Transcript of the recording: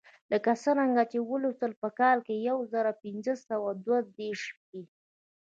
لکه څرنګه چې ولوستل په کال یو زر پنځه سوه دوه دېرش کې.